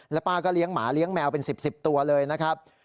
แล้วป้าก็เลี้ยงหมาเลี้ยงแมวเป็น๑๐ตัวเลยนะครับ